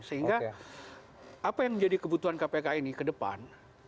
sehingga apa yang menjadi kebutuhan kpk ini ke depan